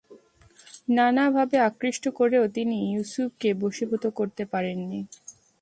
নানাভাবে আকৃষ্ট করেও তিনি ইউসুফকে বশীভূত করতে পারেন নি।